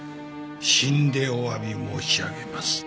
死んでお詫び申し上げます」